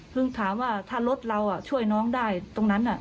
ถามว่าถ้ารถเราช่วยน้องได้ตรงนั้น